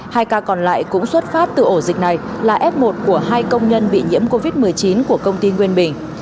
hai ca còn lại cũng xuất phát từ ổ dịch này là f một của hai công nhân bị nhiễm covid một mươi chín của công ty nguyên bình